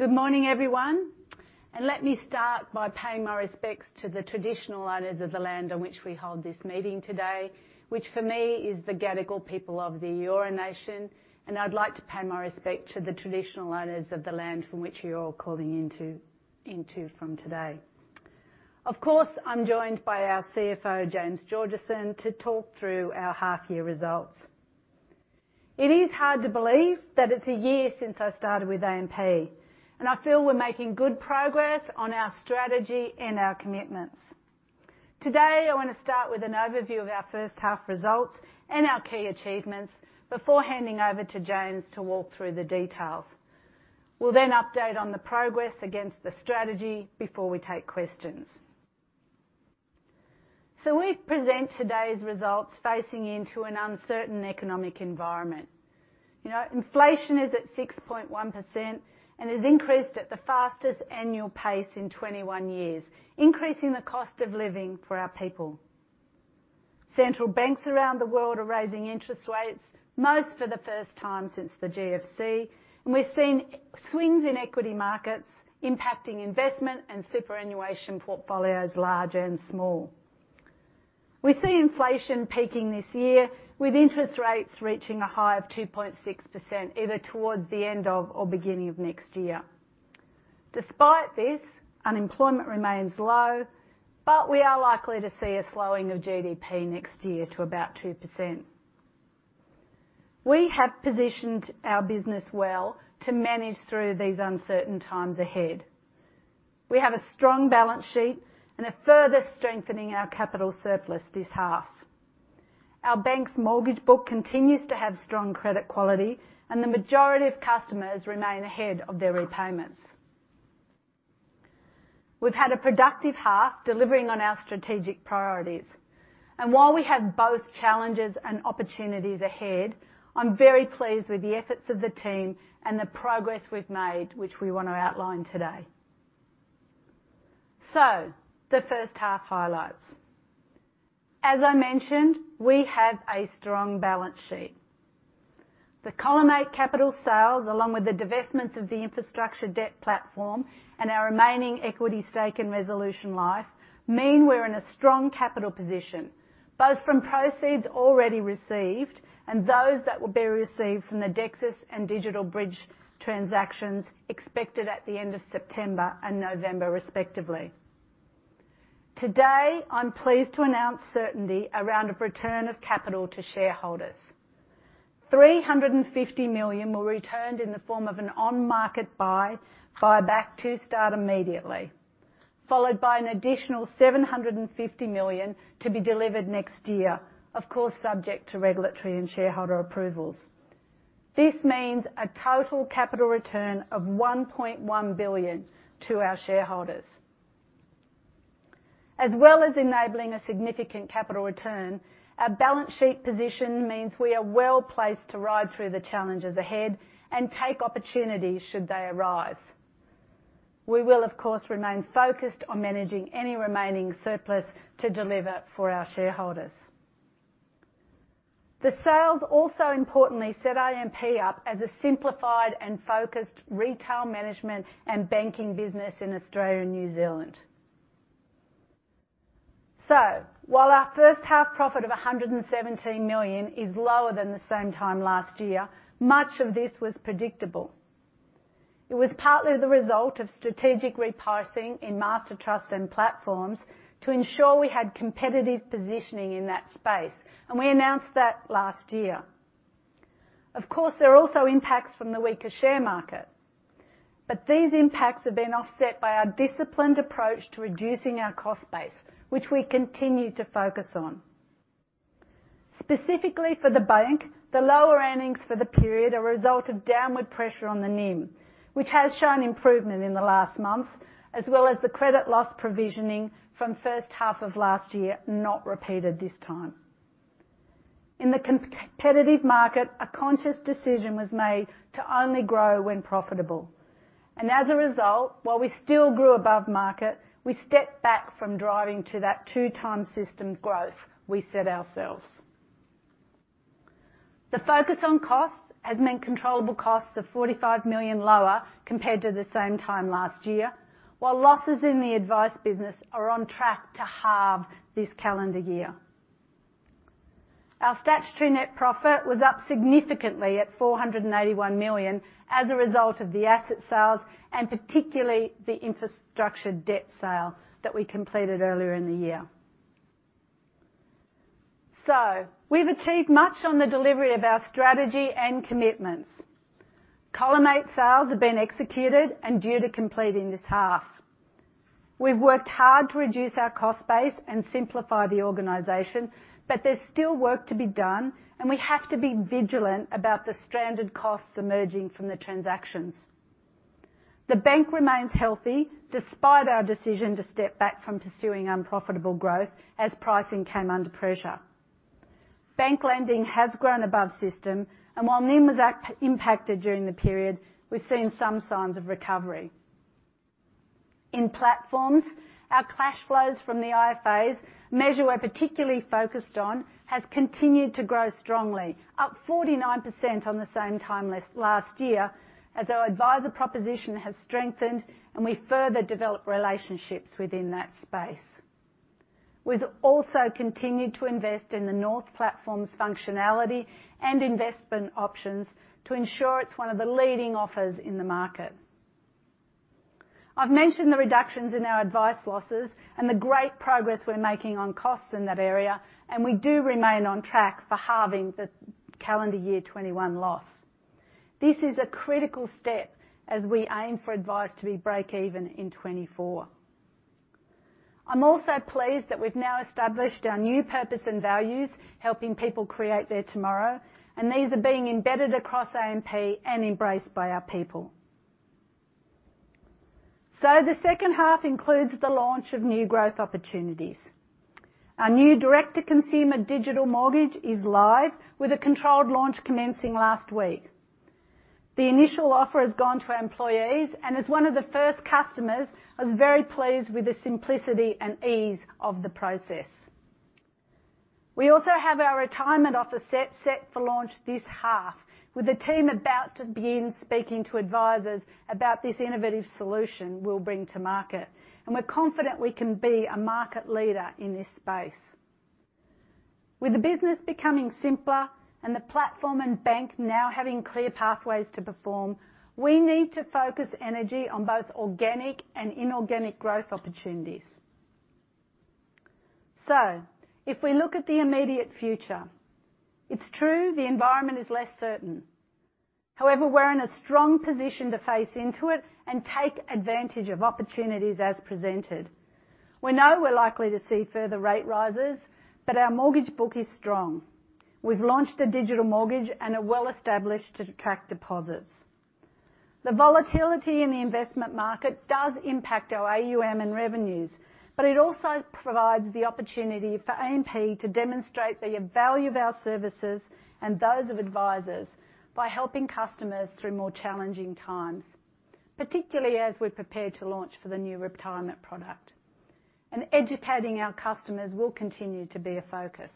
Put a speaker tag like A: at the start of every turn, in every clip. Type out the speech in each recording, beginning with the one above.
A: Good morning, everyone. Let me start by paying my respects to the traditional owners of the land on which we hold this meeting today, which for me is the Gadigal people of the Eora Nation, and I'd like to pay my respect to the traditional owners of the land from which you're all calling in from today. Of course, I'm joined by our CFO, James Georgeson, to talk through our half year results. It is hard to believe that it's a year since I started with AMP, and I feel we're making good progress on our strategy and our commitments. Today, I wanna start with an overview of our first half results and our key achievements before handing over to James to walk through the details. We'll then update on the progress against the strategy before we take questions. We present today's results facing into an uncertain economic environment. You know, inflation is at 6.1% and has increased at the fastest annual pace in 21 years, increasing the cost of living for our people. Central banks around the world are raising interest rates, most for the first time since the GFC, and we've seen swings in equity markets impacting investment and superannuation portfolios, large and small. We see inflation peaking this year with interest rates reaching a high of 2.6% either towards the end of or beginning of next year. Despite this, unemployment remains low, but we are likely to see a slowing of GDP next year to about 2%. We have positioned our business well to manage through these uncertain times ahead. We have a strong balance sheet and are further strengthening our capital surplus this half. Our bank's mortgage book continues to have strong credit quality, and the majority of customers remain ahead of their repayments. We've had a productive half delivering on our strategic priorities. While we have both challenges and opportunities ahead, I'm very pleased with the efforts of the team and the progress we've made, which we wanna outline today. The first half highlights. As I mentioned, we have a strong balance sheet. The Collimate Capital sales, along with the divestments of the infrastructure debt platform and our remaining equity stake in Resolution Life, mean we're in a strong capital position, both from proceeds already received and those that will be received from the Dexus and DigitalBridge transactions expected at the end of September and November respectively. Today, I'm pleased to announce certainty around a return of capital to shareholders. 350 million were returned in the form of an on-market buyback to start immediately, followed by an additional 750 million to be delivered next year, of course, subject to regulatory and shareholder approvals. This means a total capital return of 1.1 billion to our shareholders. As well as enabling a significant capital return, our balance sheet position means we are well-placed to ride through the challenges ahead and take opportunities should they arise. We will, of course, remain focused on managing any remaining surplus to deliver for our shareholders. The sales also importantly set AMP up as a simplified and focused retail management and banking business in Australia and New Zealand. While our first half profit of 117 million is lower than the same time last year, much of this was predictable. It was partly the result of strategic repricing in master trusts and platforms to ensure we had competitive positioning in that space. We announced that last year. Of course, there are also impacts from the weaker share market, but these impacts have been offset by our disciplined approach to reducing our cost base, which we continue to focus on. Specifically for the bank, the lower earnings for the period are a result of downward pressure on the NIM, which has shown improvement in the last month, as well as the credit loss provisioning from first half of last year, not repeated this time. In the competitive market, a conscious decision was made to only grow when profitable. As a result, while we still grew above market, we stepped back from driving to that two times system growth we set ourselves. The focus on costs has meant controllable costs of 45 million lower compared to the same time last year, while losses in the advice business are on track to halve this calendar year. Our statutory net profit was up significantly at 481 million as a result of the asset sales and particularly the infrastructure debt sale that we completed earlier in the year. We've achieved much on the delivery of our strategy and commitments. Collimate sales have been executed and due to complete in this half. We've worked hard to reduce our cost base and simplify the organization, but there's still work to be done, and we have to be vigilant about the stranded costs emerging from the transactions. The bank remains healthy despite our decision to step back from pursuing unprofitable growth as pricing came under pressure. Bank lending has grown above system, and while NIM was impacted during the period, we've seen some signs of recovery. In platforms, our cash flows from the IFAs measure we're particularly focused on has continued to grow strongly, up 49% on the same time last year as our advisor proposition has strengthened and we further develop relationships within that space. We've also continued to invest in the North platform's functionality and investment options to ensure it's one of the leading offers in the market. I've mentioned the reductions in our advice losses and the great progress we're making on costs in that area, and we do remain on track for halving the calendar year 2021 loss. This is a critical step as we aim for advice to be break even in 2024. I'm also pleased that we've now established our new purpose and values, helping people create their tomorrow, and these are being embedded across AMP and embraced by our people. The second half includes the launch of new growth opportunities. Our new direct-to-consumer digital mortgage is live, with a controlled launch commencing last week. The initial offer has gone to our employees, and as one of the first customers, I was very pleased with the simplicity and ease of the process. We also have our retirement offering set for launch this half, with the team about to begin speaking to advisors about this innovative solution we'll bring to market, and we're confident we can be a market leader in this space. With the business becoming simpler and the platform and bank now having clear pathways to perform, we need to focus energy on both organic and inorganic growth opportunities. If we look at the immediate future, it's true the environment is less certain. However, we're in a strong position to face into it and take advantage of opportunities as presented. We know we're likely to see further rate rises, but our mortgage book is strong. We've launched a digital mortgage and are well-established to attract deposits. The volatility in the investment market does impact our AUM and revenues, but it also provides the opportunity for AMP to demonstrate the value of our services and those of advisors by helping customers through more challenging times, particularly as we prepare to launch for the new retirement product. Educating our customers will continue to be a focus.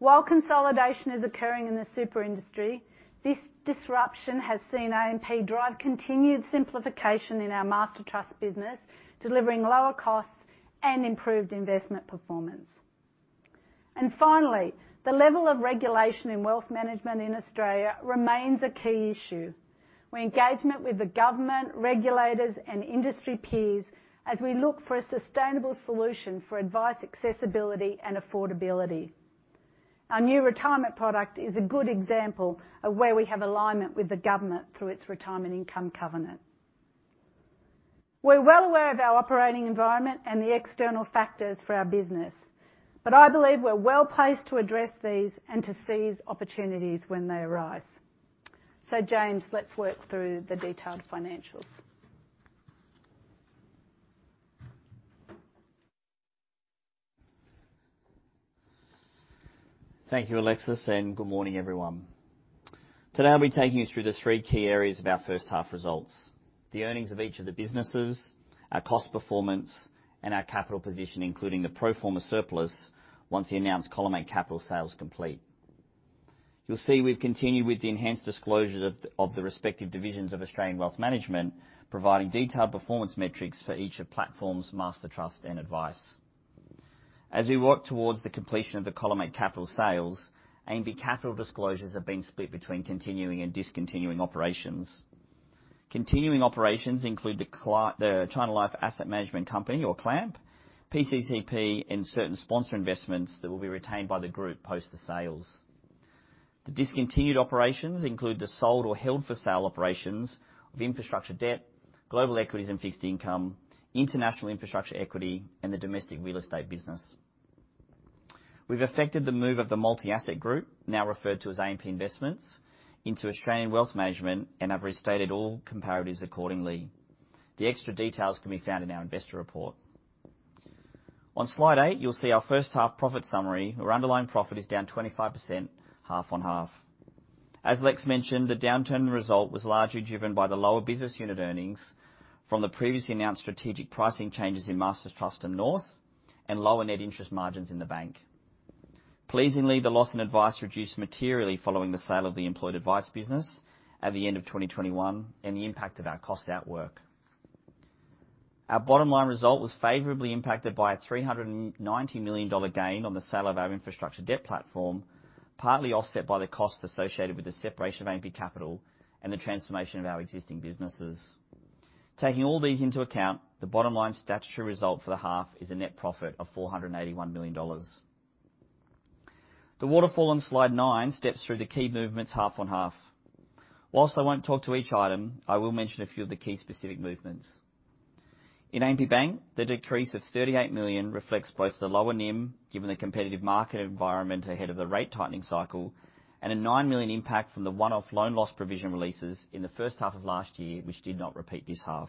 A: While consolidation is occurring in the super industry, this disruption has seen AMP drive continued simplification in our MasterTrust business, delivering lower costs and improved investment performance. Finally, the level of regulation in wealth management in Australia remains a key issue. We engage with the government, regulators, and industry peers as we look for a sustainable solution for advice, accessibility, and affordability. Our new retirement product is a good example of where we have alignment with the government through its Retirement Income Covenant. We're well aware of our operating environment and the external factors for our business, but I believe we're well-placed to address these and to seize opportunities when they arise. James, let's work through the detailed financials.
B: Thank you, Alexis, and good morning, everyone. Today, I'll be taking you through the three key areas of our first half results, the earnings of each of the businesses, our cost performance, and our capital position, including the pro forma surplus once the announced Collimate Capital sale is complete. You'll see we've continued with the enhanced disclosures of the respective divisions of Australian Wealth Management, providing detailed performance metrics for each of Platforms, MasterTrust, and advice. As we work towards the completion of the Collimate Capital sales, AMP Capital disclosures are being split between continuing and discontinued operations. Continuing operations include the China Life AMP Asset Management Company, or CLAMP, PCCP, and certain sponsor investments that will be retained by the group post the sales. The discontinued operations include the sold or held for sale operations of infrastructure debt, global equities and fixed income, international infrastructure equity, and the domestic real estate business. We've effected the move of the multi-asset group, now referred to as AMP Investments, into Australian Wealth Management and have restated all comparatives accordingly. The extra details can be found in our investor report. On slide eight, you'll see our first-half profit summary. Our underlying profit is down 25% half-on-half. As Lex mentioned, the downturn in results was largely driven by the lower business unit earnings from the previously announced strategic pricing changes in MasterTrust and North, and lower net interest margins in the bank. Pleasingly, the loss in advice reduced materially following the sale of the Employed Advice business at the end of 2021 and the impact of our cost out work. Our bottom line result was favorably impacted by a 390 million dollar gain on the sale of our infrastructure debt platform, partly offset by the costs associated with the separation of AMP Capital and the transformation of our existing businesses. Taking all these into account, the bottom line statutory result for the half is a net profit of 481 million dollars. The waterfall on slide nine steps through the key movements half-on-half. While I won't talk to each item, I will mention a few of the key specific movements. In AMP Bank, the decrease of 38 million reflects both the lower NIM, given the competitive market environment ahead of the rate tightening cycle, and a 9 million impact from the one-off loan loss provision releases in the first half of last year, which did not repeat this half.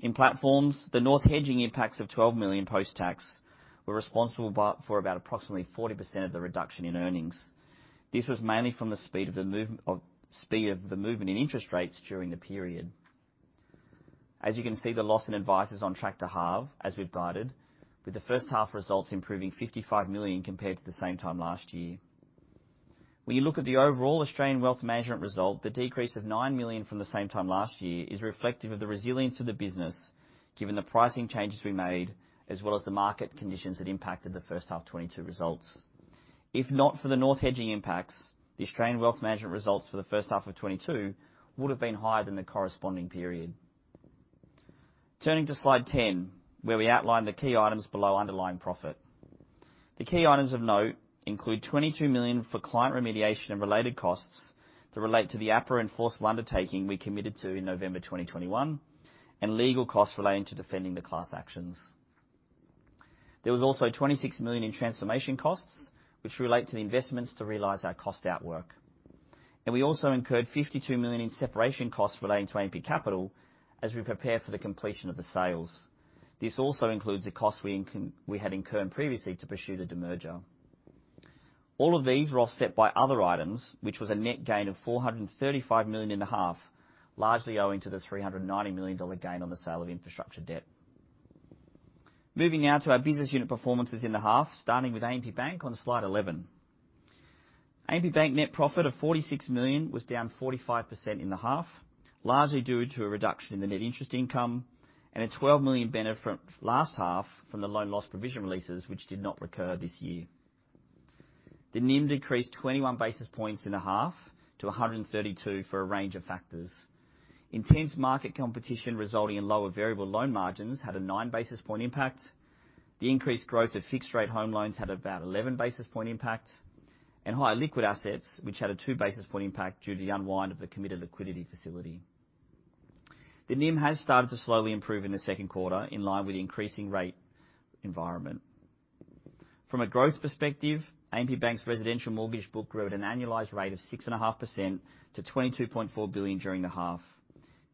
B: In Platforms, the North hedging impacts of 12 million post-tax were responsible for about approximately 40% of the reduction in earnings. This was mainly from the speed of the movement in interest rates during the period. As you can see, the loss in advice is on track to halve as we've guided, with the first half results improving 55 million compared to the same time last year. When you look at the overall Australian Wealth Management result, the decrease of 9 million from the same time last year is reflective of the resilience of the business given the pricing changes we made, as well as the market conditions that impacted the first half 2022 results. If not for the North hedging impacts, the Australian Wealth Management results for the first half of 2022 would have been higher than the corresponding period. Turning to slide 10, where we outline the key items below underlying profit. The key items of note include 22 million for client remediation and related costs that relate to the APRA enforced undertaking we committed to in November 2021, and legal costs relating to defending the class actions. There was also 26 million in transformation costs, which relate to the investments to realize our cost outwork. We also incurred 52 million in separation costs relating to AMP Capital as we prepare for the completion of the sales. This also includes the costs we had incurred previously to pursue the demerger. All of these were offset by other items, which was a net gain of 435 million in the half, largely owing to the 390 million dollar gain on the sale of infrastructure debt. Moving now to our business unit performances in the half, starting with AMP Bank on slide 11. AMP Bank net profit of 46 million was down 45% in the half, largely due to a reduction in the net interest income and a 12 million benefit last half from the loan loss provision releases, which did not recur this year. The NIM decreased 21 basis points in the half to 132 for a range of factors. Intense market competition resulting in lower variable loan margins had a 9 basis point impact, the increased growth of fixed rate home loans had about 11 basis point impact and higher liquid assets, which had a 2 basis point impact due to the unwind of the committed liquidity facility. The NIM has started to slowly improve in the second quarter, in line with the increasing rate environment. From a growth perspective, AMP Bank's residential mortgage book grew at an annualized rate of 6.5% to 22.4 billion during the half.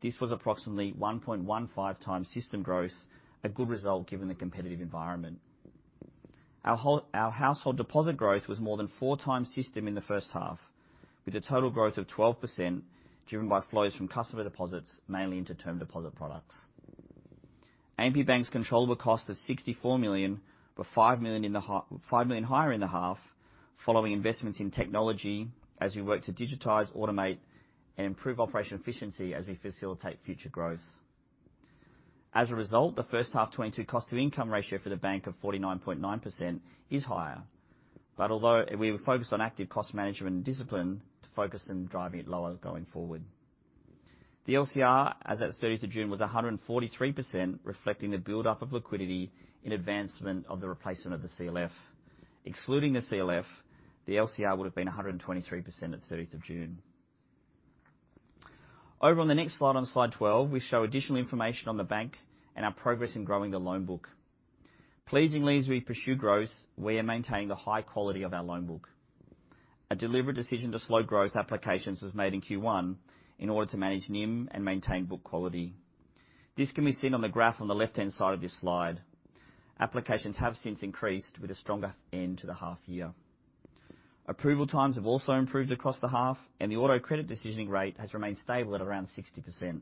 B: This was approximately 1.15 times system growth, a good result given the competitive environment. Our household deposit growth was more than 4x system in the first half, with a total growth of 12% driven by flows from customer deposits, mainly into term deposit products. AMP Bank's controllable cost is 64 million, but 5 million higher in the half following investments in technology as we work to digitize, automate and improve operational efficiency as we facilitate future growth. As a result, the first half 2022 cost to income ratio for the bank of 49.9% is higher. Although we were focused on active cost management and discipline to focus on driving it lower going forward. The LCR as at thirtieth of June was 143%, reflecting the buildup of liquidity in advancement of the replacement of the CLF. Excluding the CLF, the LCR would have been 123% at thirtieth of June. Over on the next slide, on slide 12, we show additional information on the bank and our progress in growing the loan book. Pleasingly, as we pursue growth, we are maintaining the high quality of our loan book. A deliberate decision to slow growth applications was made in Q1 in order to manage NIM and maintain book quality. This can be seen on the graph on the left-hand side of this slide. Applications have since increased with a stronger end to the half year. Approval times have also improved across the half, and the auto credit decisioning rate has remained stable at around 60%.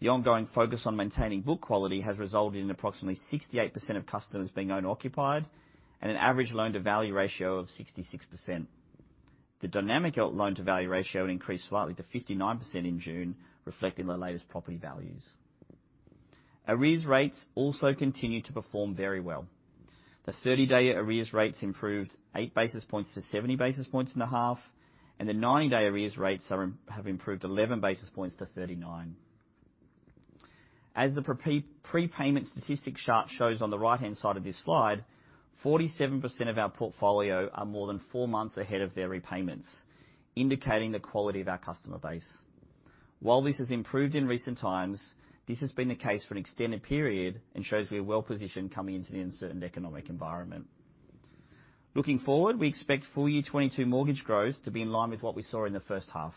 B: The ongoing focus on maintaining book quality has resulted in approximately 68% of customers being owner-occupied and an average loan-to-value ratio of 66%. The dynamic loan-to-value ratio increased slightly to 59% in June, reflecting the latest property values. Arrears rates also continued to perform very well. The 30-day arrears rates improved 8 basis points to 70 basis points in the half, and the 90-day arrears rates have improved 11 basis points to 39. As the prepayment statistic chart shows on the right-hand side of this slide, 47% of our portfolio are more than 4 months ahead of their repayments, indicating the quality of our customer base. While this has improved in recent times, this has been the case for an extended period and shows we are well-positioned coming into the uncertain economic environment. Looking forward, we expect full year 2022 mortgage growth to be in line with what we saw in the first half.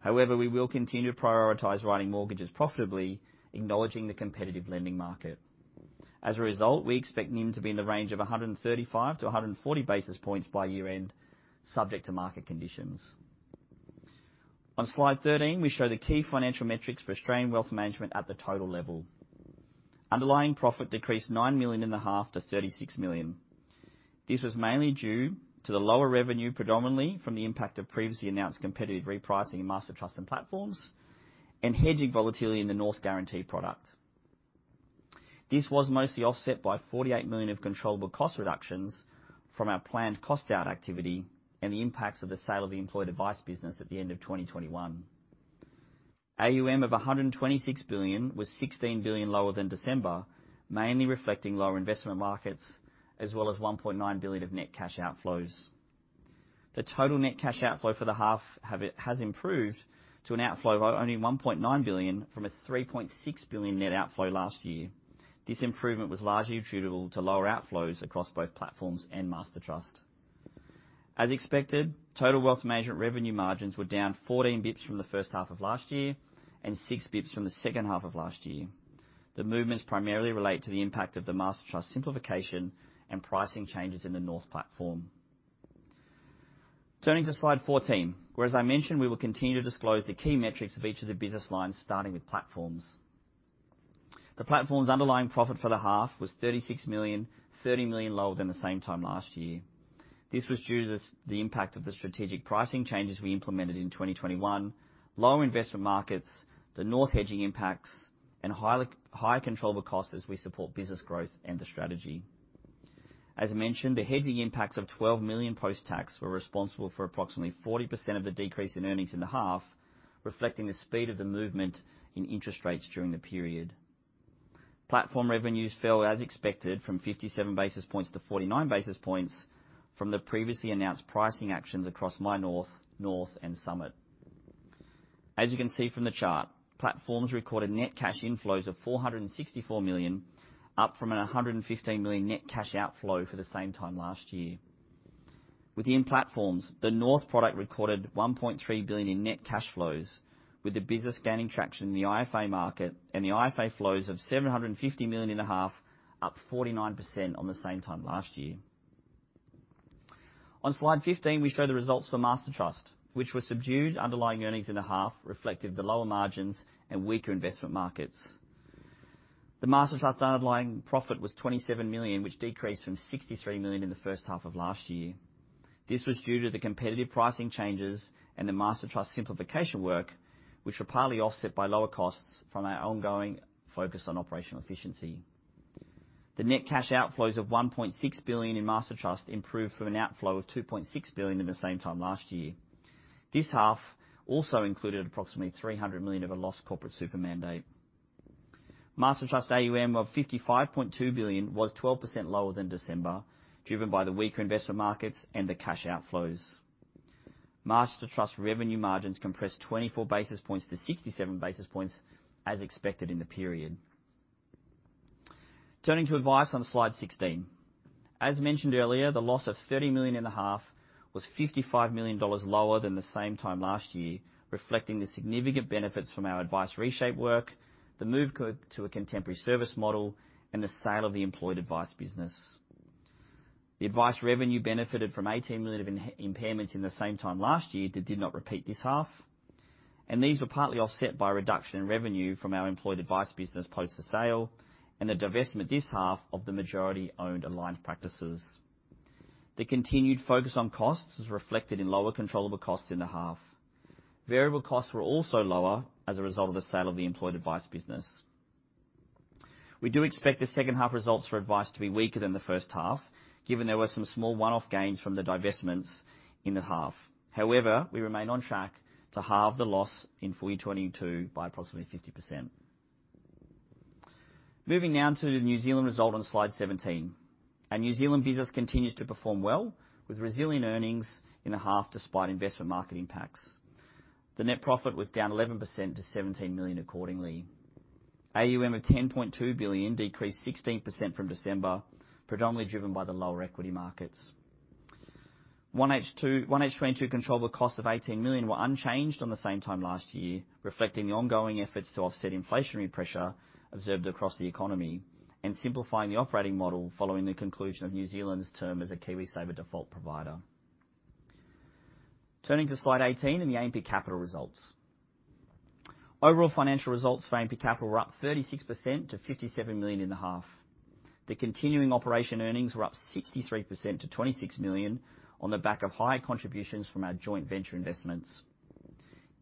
B: However, we will continue to prioritize writing mortgages profitably, acknowledging the competitive lending market. As a result, we expect NIM to be in the range of 135-140 basis points by year-end, subject to market conditions. On Slide 13, we show the key financial metrics for Australian Wealth Management at the total level. Underlying profit decreased 9.5 million-36 million. This was mainly due to the lower revenue, predominantly from the impact of previously announced competitive repricing MasterTrust and Platforms and hedging volatility in the North guarantee product. This was mostly offset by 48 million of controllable cost reductions from our planned cost out activity and the impacts of the sale of the Employed Advice business at the end of 2021. AUM of 126 billion was 16 billion lower than December, mainly reflecting lower investment markets, as well as 1.9 billion of net cash outflows. The total net cash outflow for the half has improved to an outflow of only 1.9 billion from a 3.6 billion net outflow last year. This improvement was largely attributable to lower outflows across both Platforms and MasterTrust. As expected, total wealth management revenue margins were down 14 basis points from the first half of last year and 6 basis points from the second half of last year. The movements primarily relate to the impact of the MasterTrust simplification and pricing changes in the North platform. Turning to slide 14, where as I mentioned, we will continue to disclose the key metrics of each of the business lines, starting with Platforms. The Platforms' underlying profit for the half was 36 million, 30 million lower than the same time last year. This was due to the impact of the strategic pricing changes we implemented in 2021, lower investment markets, the North hedging impacts, and higher controllable costs as we support business growth and the strategy. As mentioned, the hedging impacts of 12 million post-tax were responsible for approximately 40% of the decrease in earnings in the half, reflecting the speed of the movement in interest rates during the period. Platform revenues fell as expected from 57 basis points to 49 basis points from the previously announced pricing actions across MyNorth, North, and Summit. As you can see from the chart, Platforms recorded net cash inflows of 464 million, up from 115 million net cash outflow for the same time last year. Within Platforms, the North product recorded 1.3 billion in net cash flows, with the business gaining traction in the IFA market and the IFA flows of 750 million in the half, up 49% on the same time last year. On slide 15, we show the results for MasterTrust, which were subdued underlying earnings in the half, reflective of the lower margins and weaker investment markets. The MasterTrust underlying profit was 27 million, which decreased from 63 million in the first half of last year. This was due to the competitive pricing changes and the MasterTrust simplification work, which were partly offset by lower costs from our ongoing focus on operational efficiency. The net cash outflows of 1.6 billion in MasterTrust improved from an outflow of 2.6 billion in the same time last year. This half also included approximately 300 million of a lost corporate super mandate. MasterTrust AUM of 55.2 billion was 12% lower than December, driven by the weaker investment markets and the cash outflows. MasterTrust revenue margins compressed 24 basis points to 67 basis points as expected in the period. Turning to Advice on slide 16. As mentioned earlier, the loss of 30 million in the half was 55 million dollars lower than the same time last year, reflecting the significant benefits from our Advice reshape work, the move to a contemporary service model, and the sale of the Employed Advice business. The Advice revenue benefited from 18 million of one-off impairments in the same time last year that did not repeat this half, and these were partly offset by a reduction in revenue from our Employed Advice business post the sale and the divestment this half of the majority-owned aligned practices. The continued focus on costs is reflected in lower controllable costs in the half. Variable costs were also lower as a result of the sale of the Employed Advice business. We do expect the second half results for Advice to be weaker than the first half, given there were some small one-off gains from the divestments in the half. However, we remain on track to halve the loss in 2022 by approximately 50%. Moving now to the New Zealand result on slide 17. Our New Zealand business continues to perform well, with resilient earnings in the half despite investment market impacts. The net profit was down 11% to 17 million accordingly. AUM of 10.2 billion decreased 16% from December, predominantly driven by the lower equity markets. 1H 2022 controllable costs of 18 million were unchanged on the same time last year, reflecting the ongoing efforts to offset inflationary pressure observed across the economy and simplifying the operating model following the conclusion of New Zealand's term as a KiwiSaver default provider. Turning to slide 18 and the AMP Capital results. Overall financial results for AMP Capital were up 36% to 57 million in the half. The continuing operation earnings were up 63% to 26 million on the back of higher contributions from our joint venture investments.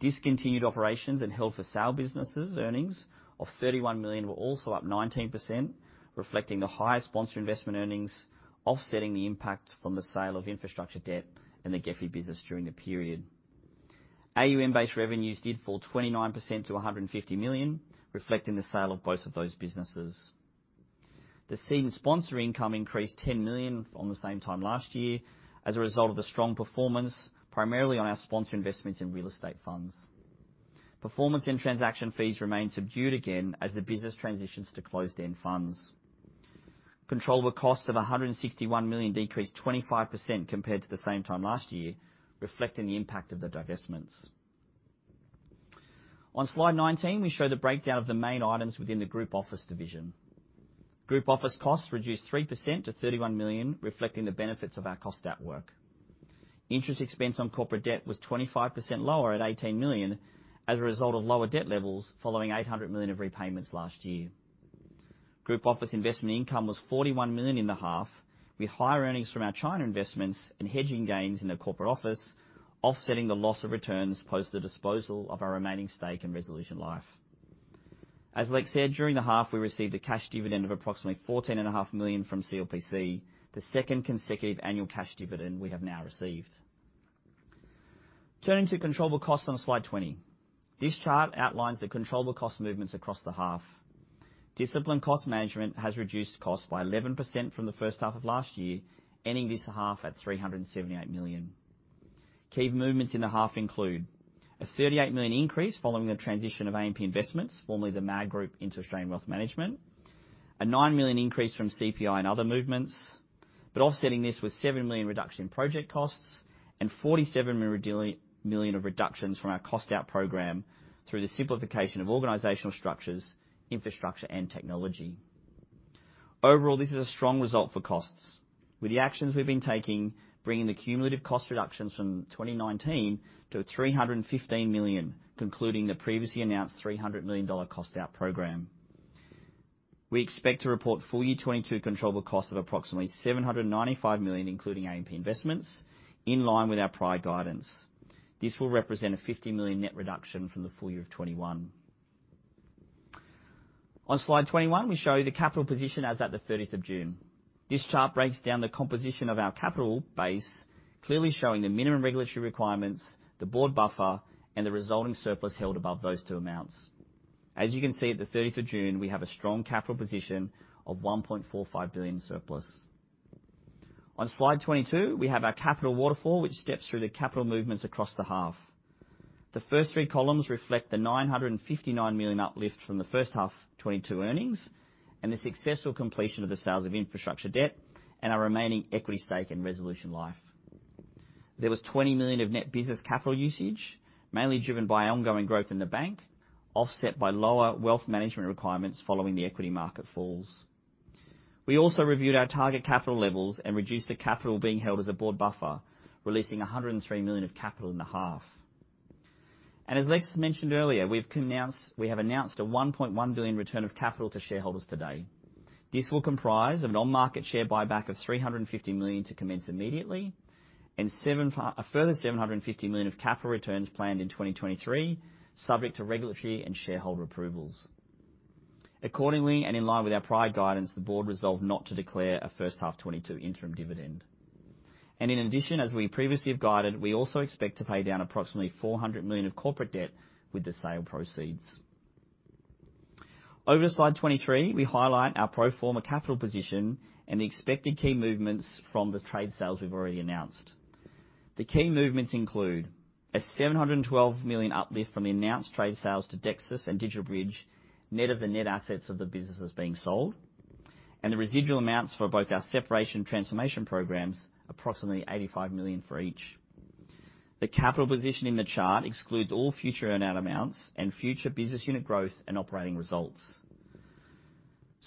B: Discontinued operations and held for sale businesses' earnings of 31 million were also up 19%, reflecting the higher sponsor investment earnings, offsetting the impact from the sale of infrastructure debt and the GEFI business during the period. AUM-based revenues did fall 29% to 150 million, reflecting the sale of both of those businesses. The seed and sponsor income increased 10 million on the same time last year as a result of the strong performance, primarily on our sponsor investments in real estate funds. Performance and transaction fees remain subdued again as the business transitions to closed-end funds. Controllable costs of 161 million decreased 25% compared to the same time last year, reflecting the impact of the divestments. On slide 19, we show the breakdown of the main items within the Group Office division. Group Office costs reduced 3% to 31 million, reflecting the benefits of our cost at work. Interest expense on corporate debt was 25% lower at 18 million as a result of lower debt levels following 800 million of repayments last year. Group Office investment income was 41 million in the half, with higher earnings from our China investments and hedging gains in the corporate office offsetting the loss of returns post the disposal of our remaining stake in Resolution Life. As Alex said, during the half, we received a cash dividend of approximately 14 and a half million from CLPC, the second consecutive annual cash dividend we have now received. Turning to controllable costs on slide 20. This chart outlines the controllable cost movements across the half. Disciplined cost management has reduced costs by 11% from the first half of last year, ending this half at 378 million. Key movements in the half include a 38 million increase following the transition of AMP Investments, formerly the MAG Group, into Australian Wealth Management, a 9 million increase from CPI and other movements, but offsetting this was 7 million reduction in project costs and 47 million of reductions from our cost out program through the simplification of organizational structures, infrastructure, and technology. Overall, this is a strong result for costs. With the actions we've been taking, bringing the cumulative cost reductions from 2019 to 315 million, concluding the previously announced AUD 300 million cost out program. We expect to report full year 2022 controllable costs of approximately 795 million, including AMP Investments, in line with our prior guidance. This will represent a 50 million net reduction from the full year of 2021. On slide 21, we show the capital position as at the 13th of June. This chart breaks down the composition of our capital base, clearly showing the minimum regulatory requirements, the board buffer, and the resulting surplus held above those two amounts. As you can see, at the 13th of June, we have a strong capital position of 1.45 billion surplus. On slide 22, we have our capital waterfall, which steps through the capital movements across the half. The first three columns reflect the 959 million uplift from the first half 2022 earnings, and the successful completion of the sales of infrastructure debt and our remaining equity stake in Resolution Life. There was 20 million of net business capital usage, mainly driven by ongoing growth in the bank, offset by lower wealth management requirements following the equity market falls. We also reviewed our target capital levels and reduced the capital being held as a board buffer, releasing 103 million of capital in the half. As Alexis mentioned earlier, we have announced a 1.1 billion return of capital to shareholders today. This will comprise of an on-market share buyback of 350 million to commence immediately, and a further 750 million of capital returns planned in 2023, subject to regulatory and shareholder approvals. Accordingly, and in line with our prior guidance, the board resolved not to declare a first half 2022 interim dividend. In addition, as we previously have guided, we also expect to pay down approximately 400 million of corporate debt with the sale proceeds. Over to slide 23, we highlight our pro forma capital position and the expected key movements from the trade sales we've already announced. The key movements include an 712 million uplift from the announced trade sales to Dexus and DigitalBridge, net of the net assets of the businesses being sold, and the residual amounts for both our separation transformation programs, approximately 85 million for each. The capital position in the chart excludes all future earn-out amounts and future business unit growth and operating results.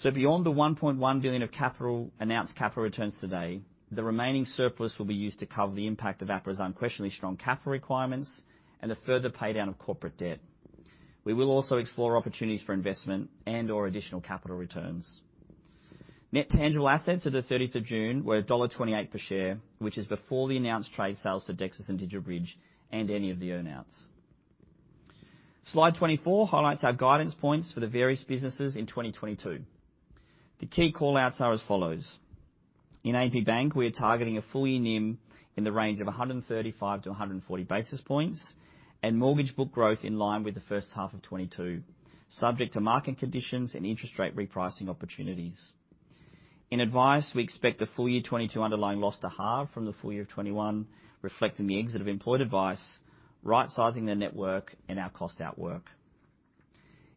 B: Beyond the 1.1 billion of capital announced capital returns today, the remaining surplus will be used to cover the impact of APRA's unquestionably strong capital requirements and a further pay-down of corporate debt. We will also explore opportunities for investment and/or additional capital returns. Net tangible assets at the 13th of June were dollar 1.28 per share, which is before the announced trade sales to Dexus and DigitalBridge and any of the earn-outs. Slide 24 highlights our guidance points for the various businesses in 2022. The key call-outs are as follows. In AMP Bank, we are targeting a full-year NIM in the range of 135-140 basis points, and mortgage book growth in line with the first half of 2022, subject to market conditions and interest rate repricing opportunities. In Advice, we expect the full-year 2022 underlying loss to halve from the full year of 2021, reflecting the exit of Employed Advice, rightsizing the network, and our cost outwork.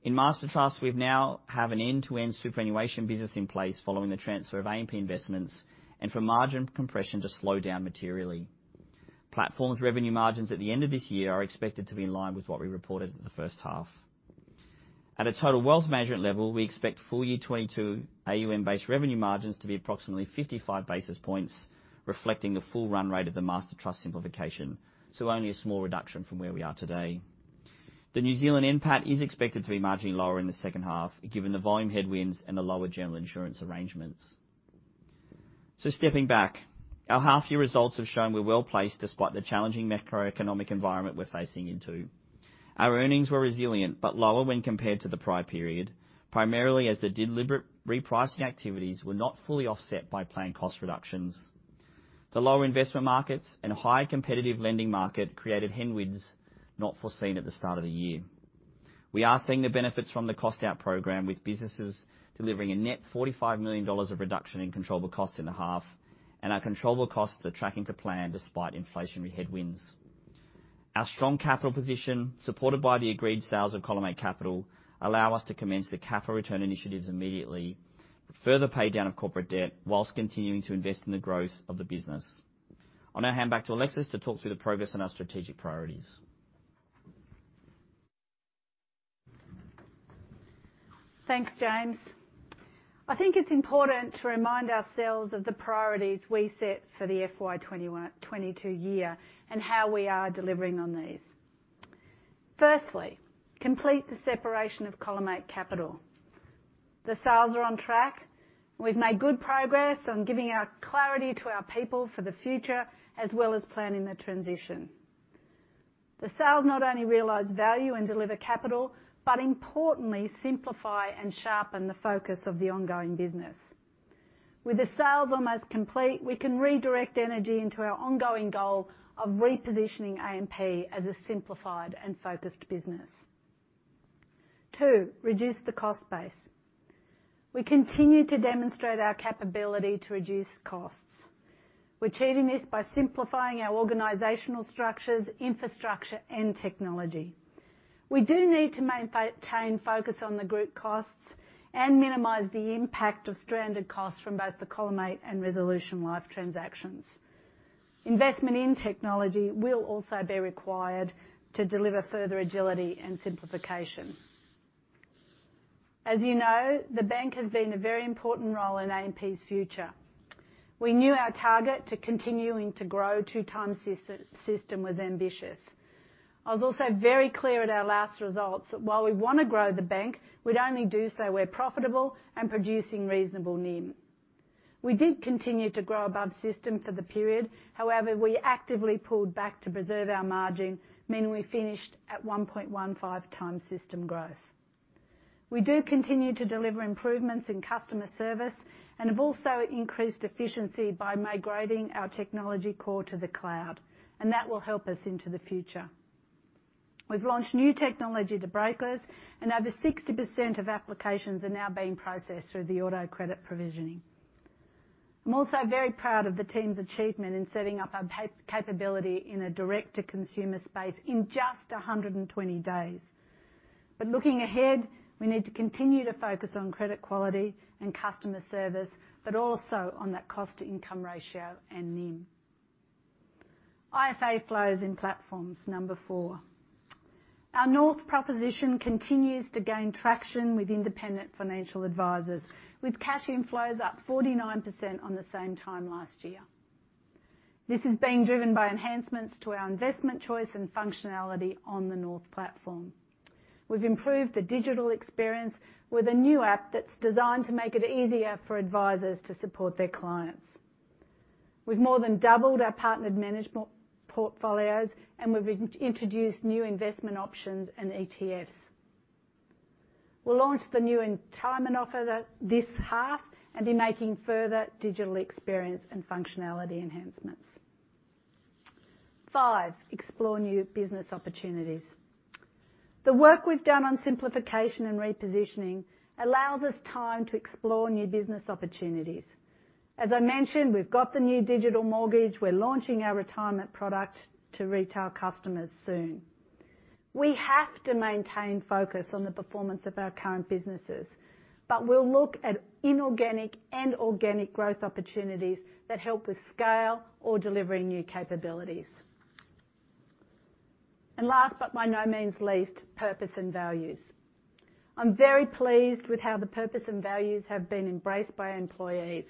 B: In MasterTrust, we now have an end-to-end superannuation business in place following the transfer of AMP Investments and expect margin compression to slow down materially. Platforms' revenue margins at the end of this year are expected to be in line with what we reported at the first half. At a total wealth management level, we expect full-year 2022 AUM-based revenue margins to be approximately 55 basis points, reflecting the full run rate of the MasterTrust simplification, so only a small reduction from where we are today. The New Zealand NPAT is expected to be marginally lower in the second half, given the volume headwinds and the lower general insurance arrangements. Stepping back, our half-year results have shown we're well-placed despite the challenging macroeconomic environment we're facing into. Our earnings were resilient but lower when compared to the prior period, primarily as the deliberate repricing activities were not fully offset by planned cost reductions. The lower investment markets and higher competitive lending market created headwinds not foreseen at the start of the year. We are seeing the benefits from the cost out program, with businesses delivering a net 45 million dollars of reduction in controllable costs in the half, and our controllable costs are tracking to plan despite inflationary headwinds. Our strong capital position, supported by the agreed sales of Collimate Capital, allow us to commence the capital return initiatives immediately, further pay down of corporate debt whilst continuing to invest in the growth of the business. I'll now hand back to Alexis to talk through the progress in our strategic priorities.
A: Thanks, James. I think it's important to remind ourselves of the priorities we set for the FY 22 year and how we are delivering on these. Firstly, complete the separation of Collimate Capital. The sales are on track. We've made good progress on giving our people clarity for the future, as well as planning the transition. The sales not only realize value and deliver capital, but importantly, simplify and sharpen the focus of the ongoing business. With the sales almost complete, we can redirect energy into our ongoing goal of repositioning AMP as a simplified and focused business. Two, reduce the cost base. We continue to demonstrate our capability to reduce costs. We're achieving this by simplifying our organizational structures, infrastructure, and technology. We do need to maintain focus on the group costs and minimize the impact of stranded costs from both the Collimate and Resolution Life transactions. Investment in technology will also be required to deliver further agility and simplification. As you know, the bank has been a very important role in AMP's future. We knew our target to continuing to grow 2x the system was ambitious. I was also very clear at our last results that while we wanna grow the bank, we'd only do so where profitable and producing reasonable NIM. We did continue to grow above system for the period. However, we actively pulled back to preserve our margin, meaning we finished at 1.15 times system growth. We do continue to deliver improvements in customer service and have also increased efficiency by migrating our technology core to the cloud, and that will help us into the future. We've launched new technology to brokers, and over 60% of applications are now being processed through the auto credit provisioning. I'm also very proud of the team's achievement in setting up our capability in a direct-to-consumer space in just 120 days. Looking ahead, we need to continue to focus on credit quality and customer service, but also on that cost-to-income ratio and NIM. IFA flows in platforms, number four. Our North proposition continues to gain traction with independent financial advisors, with cash inflows up 49% on the same time last year. This is being driven by enhancements to our investment choice and functionality on the North platform. We've improved the digital experience with a new app that's designed to make it easier for advisors to support their clients. We've more than doubled our partnered management portfolios, and we've introduced new investment options and ETFs. We'll launch the new entitlement offer this half and we'll be making further digital experience and functionality enhancements. Five, explore new business opportunities. The work we've done on simplification and repositioning allows us time to explore new business opportunities. As I mentioned, we've got the new digital mortgage. We're launching our retirement product to retail customers soon. We have to maintain focus on the performance of our current businesses, but we'll look at inorganic and organic growth opportunities that help with scale or delivering new capabilities. Last, but by no means least, purpose and values. I'm very pleased with how the purpose and values have been embraced by our employees,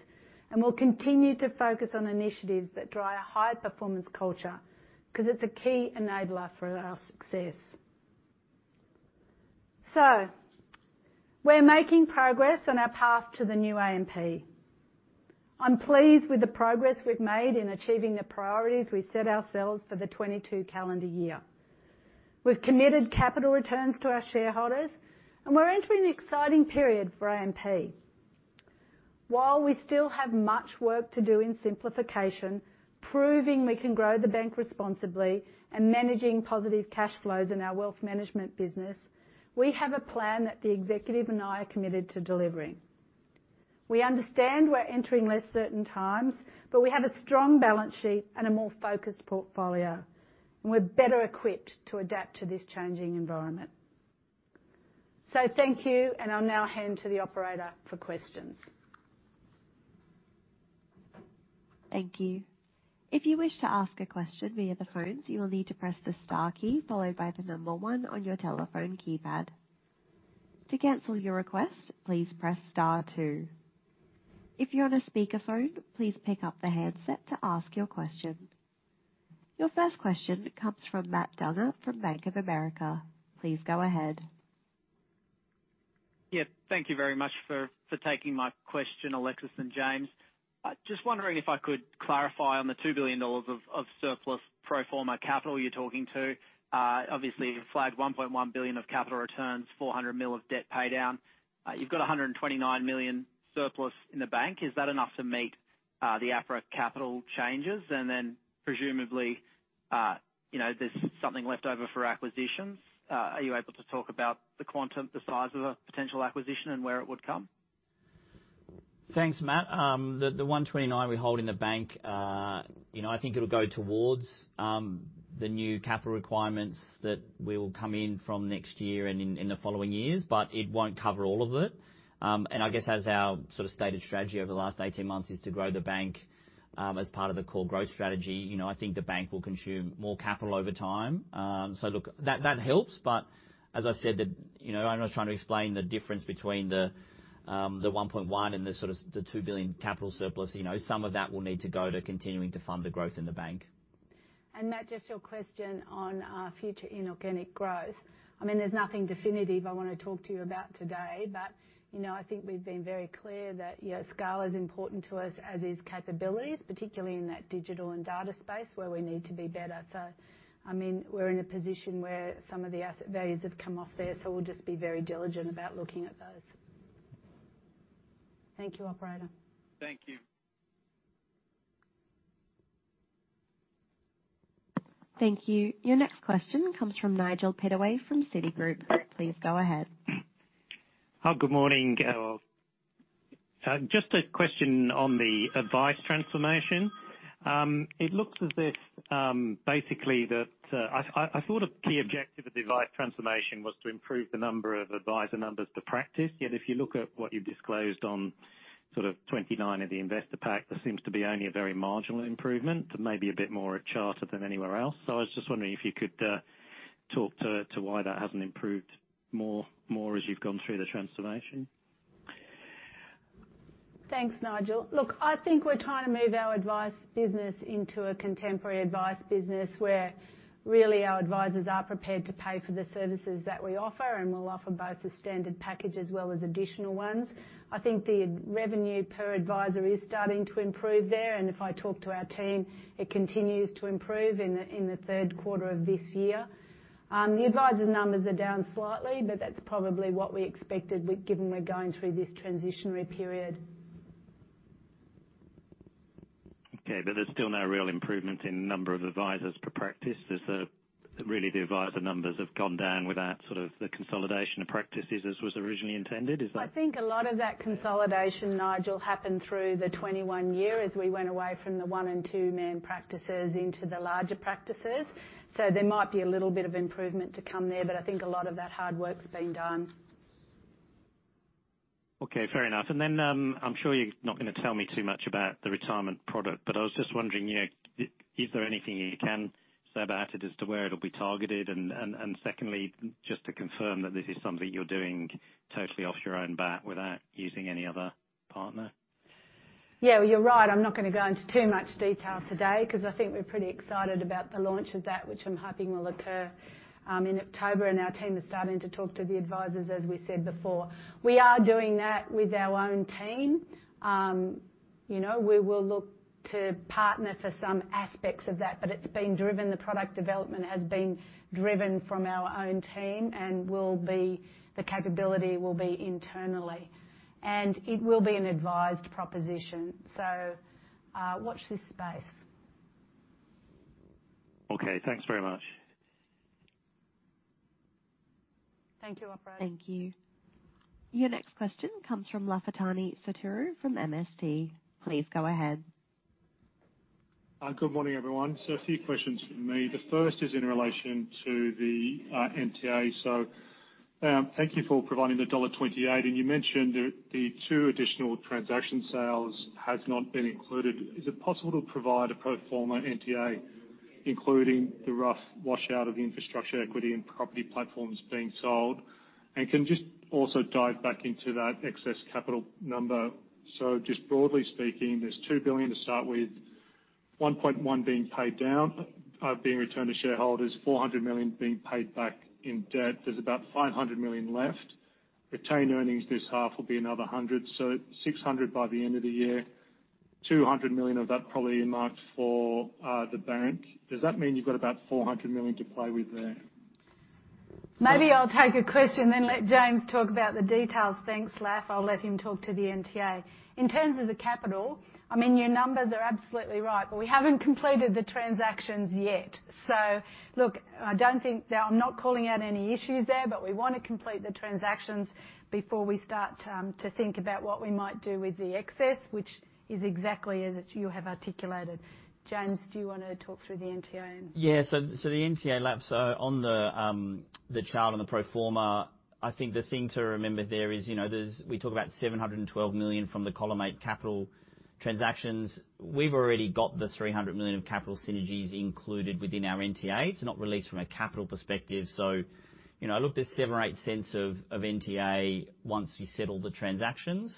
A: and we'll continue to focus on initiatives that drive a high-performance culture 'cause it's a key enabler for our success. We're making progress on our path to the new AMP. I'm pleased with the progress we've made in achieving the priorities we set ourselves for the 2022 calendar year. We've committed capital returns to our shareholders, and we're entering an exciting period for AMP. While we still have much work to do in simplification, proving we can grow the bank responsibly and managing positive cash flows in our wealth management business, we have a plan that the executive and I are committed to delivering. We understand we're entering less certain times, but we have a strong balance sheet and a more focused portfolio, and we're better equipped to adapt to this changing environment. Thank you, and I'll now hand to the operator for questions.
C: Thank you. If you wish to ask a question via the phones, you will need to press the star key followed by the number one on your telephone keypad. To cancel your request, please press star two. If you're on a speakerphone, please pick up the handset to ask your question. Your first question comes from Matt Dunnam from Bank of America. Please go ahead.
D: Yeah. Thank you very much for taking my question, Alexis and James. Just wondering if I could clarify on the 2 billion dollars of surplus pro forma capital you're talking about. Obviously, you flagged 1.1 billion of capital returns, 400 million of debt paydown. You've got 129 million surplus in the bank. Is that enough to meet the APRA capital changes? Then presumably, you know, there's something left over for acquisitions. Are you able to talk about the quantum, the size of a potential acquisition and where it would come?
B: Thanks, Matt. The 129 million we hold in the bank, you know, I think it'll go towards the new capital requirements that will come in from next year and in the following years, but it won't cover all of it. I guess as our sort of stated strategy over the last 18 months is to grow the bank, as part of the core growth strategy. You know, I think the bank will consume more capital over time. Look, that helps, but as I said, you know, I'm just trying to explain the difference between the 1.1 billion and the sort of the 2 billion capital surplus. You know, some of that will need to go to continuing to fund the growth in the bank.
E: Matt, just your question on our future inorganic growth. I mean, there's nothing definitive I wanna talk to you about today, but, you know, I think we've been very clear that, you know, scale is important to us, as is capabilities, particularly in that digital and data space where we need to be better. I mean, we're in a position where some of the asset values have come off there, so we'll just be very diligent about looking at those. Thank you, operator.
D: Thank you.
C: Thank you. Your next question comes from Nigel Pittaway from Citigroup. Please go ahead.
F: Hi. Good morning. Just a question on the advice transformation. It looks as if, basically that, I thought a key objective of the advice transformation was to improve the number of advisor numbers to practice. Yet if you look at what you've disclosed on sort of 29 of the investor pack, there seems to be only a very marginal improvement, maybe a bit more at Charter than anywhere else. I was just wondering if you could talk to why that hasn't improved more as you've gone through the transformation.
A: Thanks, Nigel. Look, I think we're trying to move our advice business into a contemporary advice business where really our advisors are prepared to pay for the services that we offer, and we'll offer both the standard package as well as additional ones. I think the revenue per advisor is starting to improve there, and if I talk to our team, it continues to improve in the third quarter of this year. The advisor numbers are down slightly, but that's probably what we expected given we're going through this transitionary period.
F: Okay, there's still no real improvement in number of advisors per practice. Really, the advisor numbers have gone down without sort of the consolidation of practices as was originally intended.
A: I think a lot of that consolidation, Nigel, happened through 2021 as we went away from the one- and two-man practices into the larger practices. There might be a little bit of improvement to come there, but I think a lot of that hard work's been done.
F: Okay, fair enough. I'm sure you're not gonna tell me too much about the retirement product, but I was just wondering, you know, is there anything you can say about it as to where it'll be targeted? Secondly, just to confirm that this is something you're doing totally off your own bat without using any other partner.
A: Yeah, you're right. I'm not gonna go into too much detail today 'cause I think we're pretty excited about the launch of that, which I'm hoping will occur in October. Our team is starting to talk to the advisors, as we said before. We are doing that with our own team. You know, we will look to partner for some aspects of that, but it's been driven, the product development has been driven from our own team and the capability will be internally. It will be an advised proposition. Watch this space.
F: Okay, thanks very much.
G: Thank you, operator.
C: Thank you. Your next question comes from Lafitani Sotiriou from MST. Please go ahead.
H: Good morning, everyone. A few questions from me. The first is in relation to the NTA. Thank you for providing the AUD 1.28, and you mentioned the two additional transaction sales has not been included. Is it possible to provide a pro forma NTA, including the rough wash out of infrastructure, equity and property platforms being sold? Can you just also dive back into that excess capital number? Just broadly speaking, there's 2 billion to start with, 1.1 being paid down, being returned to shareholders, 400 million being paid back in debt. There's about 500 million left. Retained earnings this half will be another 100. 600 by the end of the year, 200 million of that probably earmarked for the bank. Does that mean you've got about 400 million to play with there?
A: Maybe I'll take a question, then let James talk about the details. Thanks, Laf. I'll let him talk to the NTA. In terms of the capital, I mean, your numbers are absolutely right, but we haven't completed the transactions yet. Look, I don't think that I'm not calling out any issues there, but we wanna complete the transactions before we start to think about what we might do with the excess, which is exactly as you have articulated. James, do you wanna talk through the NTA?
B: Yeah. The NTA, Laf, on the chart on the pro forma, I think the thing to remember there is, you know, we talk about 712 million from the column eight capital transactions. We've already got the 300 million of capital synergies included within our NTA. It's not released from a capital perspective. You know, look, there's 0.07 or 0.08 of NTA once you settle the transactions,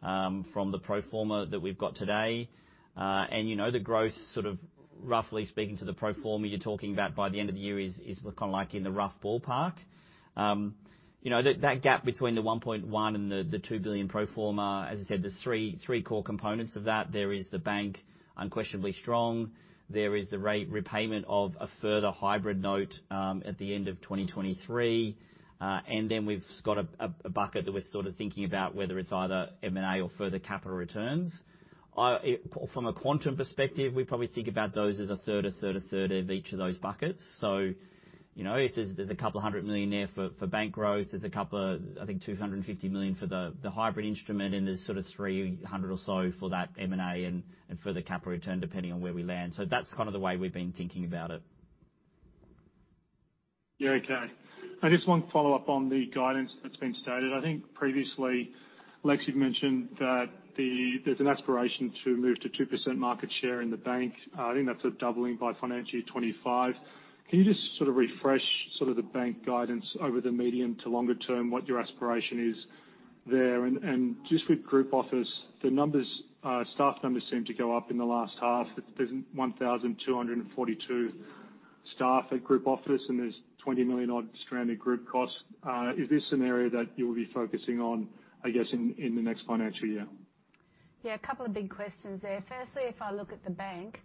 B: from the pro forma that we've got today. And you know, the growth sort of roughly speaking to the pro forma you're talking about by the end of the year is kinda like in the rough ballpark. You know, that gap between the 1.1 billion and the 2 billion pro forma, as I said, there's three core components of that. The bank is unquestionably strong. There is repayment of a further hybrid note at the end of 2023. Then we've got a bucket that we're sort of thinking about whether it's either M&A or further capital returns. From a quantum perspective, we probably think about those as a third of each of those buckets. You know, if there's a couple hundred million there for bank growth, there's a couple of, I think, 250 million for the hybrid instrument, and there's sort of 300 or so for that M&A and further capital return, depending on where we land. That's kind of the way we've been thinking about it.
H: Yeah. Okay. I just want to follow up on the guidance that's been stated. I think previously, Lexi, you've mentioned that there's an aspiration to move to 2% market share in the bank. I think that's a doubling by financial 2025. Can you just refresh the bank guidance over the medium to longer term, what your aspiration is there? Just with group office, the numbers, staff numbers seem to go up in the last half. There's 1,242 staff at group office, and there's 20 million odd stranded group costs. Is this an area that you'll be focusing on, I guess, in the next financial year?
A: Yeah, a couple of big questions there. Firstly, if I look at the bank,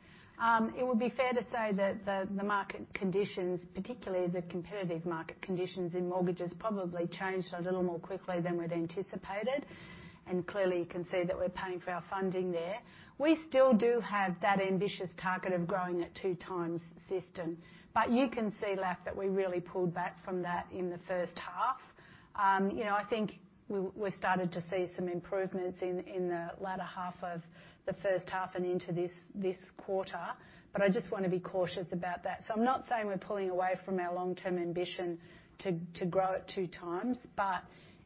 A: it would be fair to say that the market conditions, particularly the competitive market conditions in mortgages, probably changed a little more quickly than we'd anticipated. Clearly, you can see that we're paying for our funding there. We still do have that ambitious target of growing at 2 times system. You can see, Laf, that we really pulled back from that in the first half. You know, I think we started to see some improvements in the latter half of the first half and into this quarter. I just wanna be cautious about that. I'm not saying we're pulling away from our long-term ambition to grow it two times, but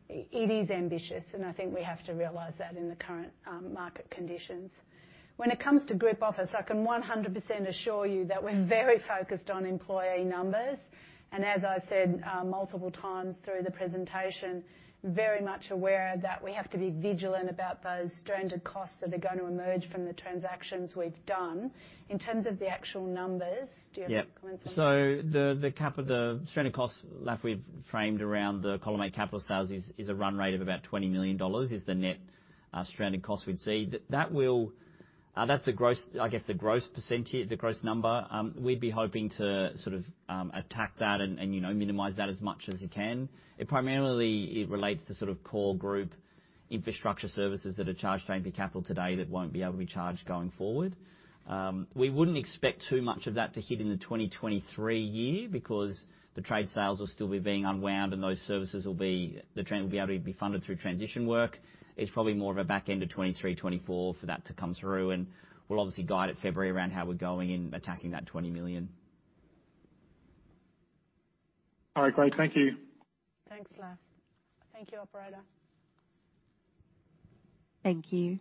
A: it is ambitious, and I think we have to realize that in the current market conditions. When it comes to group office, I can 100% assure you that we're very focused on employee numbers, and as I've said, multiple times through the presentation, very much aware that we have to be vigilant about those stranded costs that are gonna emerge from the transactions we've done. In terms of the actual numbers, do you have any comments on that?
B: The cap of the stranded costs, Laf, we've framed around the Collimate Capital sales is a run rate of about 20 million dollars, is the net stranded costs we'd see. That's the gross number, I guess. We'd be hoping to sort of attack that and, you know, minimize that as much as we can. It primarily relates to sort of core group infrastructure services that are charged to AMP Capital today that won't be able to be charged going forward. We wouldn't expect too much of that to hit in the 2023 year because the trade sales will still be being unwound, and those services will be able to be funded through transition work. It's probably more of a back end of 2023, 2024 for that to come through, and we'll obviously guide at February around how we're going in attacking that 20 million.
H: All right, great. Thank you.
I: Thanks, Laf. Thank you, operator.
C: Thank you.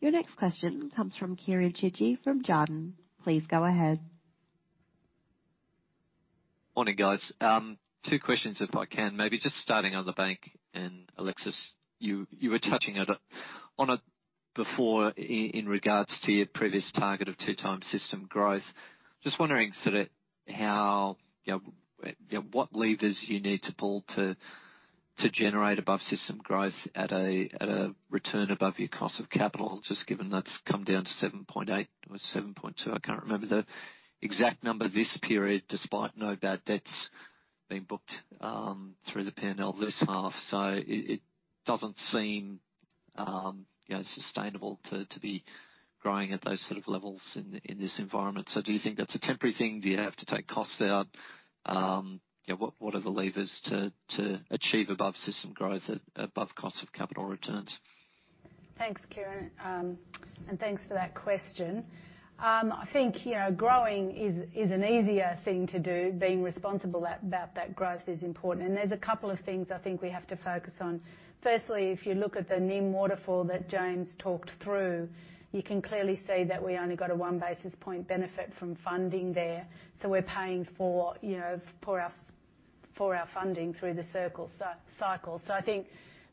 C: Your next question comes from Kieren Chidgey from Jarden. Please go ahead.
J: Morning, guys. Two questions, if I can. Maybe just starting on the bank, and Alexis, you were touching on it before in regards to your previous target of two times system growth. Just wondering sort of how, you know, what levers you need to pull to generate above system growth at a return above your cost of capital, just given that's come down to 7.8% or 7.2%. I can't remember the exact number this period, despite no bad debts being booked through the P&L this half. It doesn't seem, you know, sustainable to be growing at those sort of levels in this environment. Do you think that's a temporary thing? Do you have to take costs out? You know, what are the levers to achieve above system growth at above cost of capital returns?
A: Thanks, Kieren. Thanks for that question. I think, you know, growing is an easier thing to do. Being responsible about that growth is important, and there's a couple of things I think we have to focus on. Firstly, if you look at the NIM waterfall that James talked through, you can clearly see that we only got a one basis point benefit from funding there. We're paying for, you know, for our funding through the cycle. I think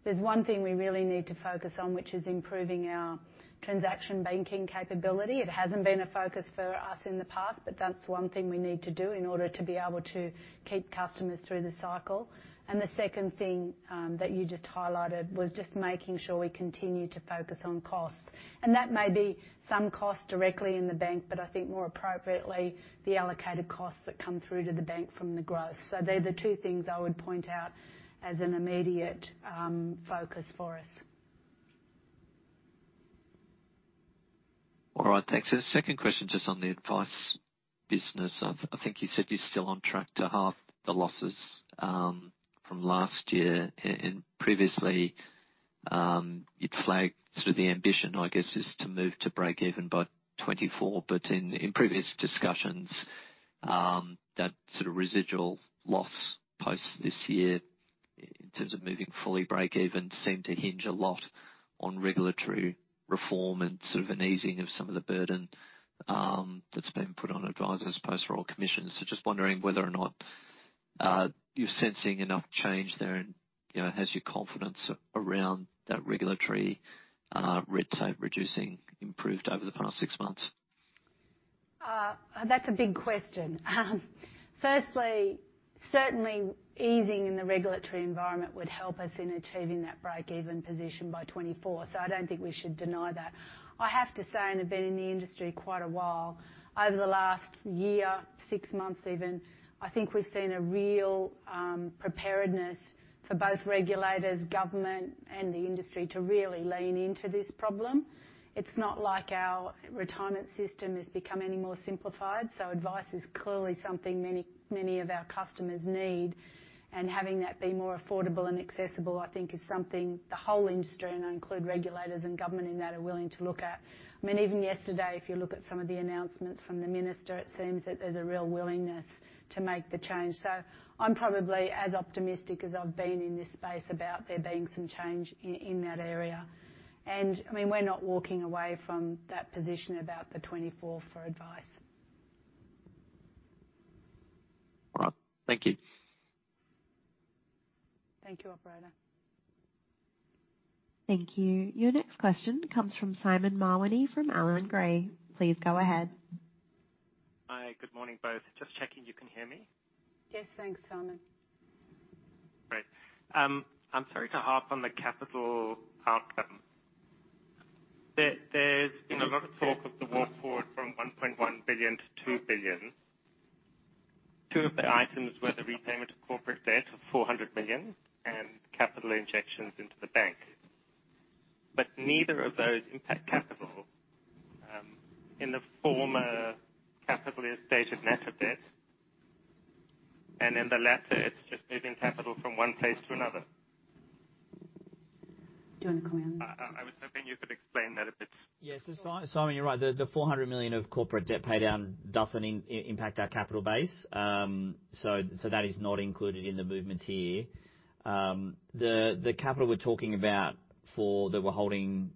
A: there's one thing we really need to focus on, which is improving our transaction banking capability. It hasn't been a focus for us in the past, but that's one thing we need to do in order to be able to keep customers through the cycle. The second thing that you just highlighted was just making sure we continue to focus on costs. That may be some costs directly in the bank, but I think more appropriately, the allocated costs that come through to the bank from the growth. They're the two things I would point out as an immediate focus for us.
J: All right. Thanks. The second question, just on the advice business. I think you said you're still on track to halve the losses from last year. Previously, you'd flagged sort of the ambition, I guess, is to move to break even by 2024. In previous discussions, that sort of residual loss post this year in terms of moving fully break even seemed to hinge a lot on regulatory reform and sort of an easing of some of the burden that's been put on advisors post Royal Commission. Just wondering whether or not you're sensing enough change there and, you know, has your confidence around that regulatory reducing improved over the past six months?
K: That's a big question. Firstly, certainly easing in the regulatory environment would help us in achieving that break-even position by 2024, so I don't think we should deny that. I have to say, and I've been in the industry quite a while, over the last year, six months even, I think we've seen a real preparedness for both regulators, government, and the industry to really lean into this problem. It's not like our retirement system has become any more simplified, so advice is clearly something many, many of our customers need. Having that be more affordable and accessible, I think is something the whole industry, and I include regulators and government in that, are willing to look at. I mean, even yesterday, if you look at some of the announcements from the minister, it seems that there's a real willingness to make the change.
A: I'm probably as optimistic as I've been in this space about there being some change in that area. I mean, we're not walking away from that position about the 2024 for advice.
J: All right. Thank you.
K: Thank you, operator.
C: Thank you. Your next question comes from Simon Mawhinney from Allan Gray. Please go ahead.
L: Hi. Good morning, both. Just checking you can hear me.
A: Yes. Thanks, Simon.
L: I'm sorry to harp on the capital outcome. There's been a lot of talk of the walk forward from 1.1 billion-2 billion. Two of the items were the repayment of corporate debt of 400 million and capital injections into the bank. Neither of those impact capital. In the former capital is stated net of debt, and in the latter, it's just moving capital from one place to another.
A: Do you wanna comment on that?
L: I was hoping you could explain that a bit.
B: Yes. Simon, you're right. The 400 million of corporate debt paydown doesn't impact our capital base. That is not included in the movement here. The capital we're talking about for the holding,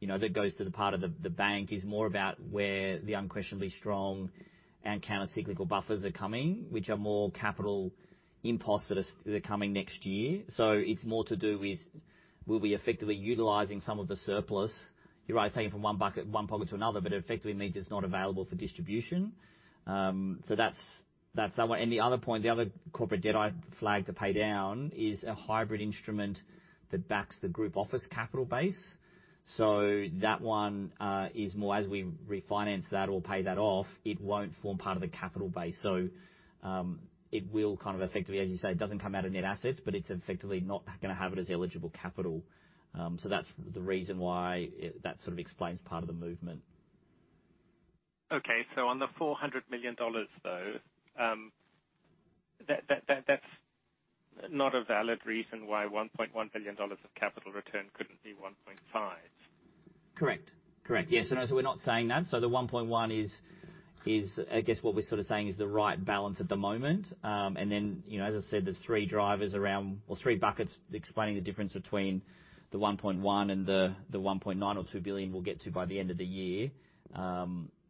B: you know, that goes to the part of the bank is more about where the unquestionably strong and counter-cyclical buffers are coming, which are more capital impulses that are coming next year. It's more to do with we'll be effectively utilizing some of the surplus. You're right, it's taken from one pocket to another, but it effectively means it's not available for distribution. That's that one. The other point, the other corporate debt I flagged to pay down is a hybrid instrument that backs the group office capital base. That one is more as we refinance that or pay that off, it won't form part of the capital base. It will kind of effectively, as you say, it doesn't come out of net assets, but it's effectively not gonna have it as eligible capital. That's the reason why that sort of explains part of the movement.
L: Okay. On the 400 million dollars, though, that that's not a valid reason why 1.1 billion dollars of capital return couldn't be 1.5.
B: Correct. Yes, as we're not saying that. The 1.1 billion is I guess what we're sort of saying is the right balance at the moment. Then, you know, as I said, there's three drivers or three buckets explaining the difference between the 1.1 billion and the 1.9 billion or 2 billion we'll get to by the end of the year.